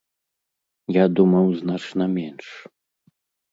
Я думаў, значна менш.